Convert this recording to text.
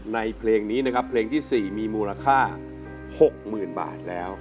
เพลงนี้นะครับเพลงที่๔มีมูลค่า๖๐๐๐บาทแล้ว